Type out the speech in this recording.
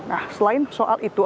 nah selain soal investasi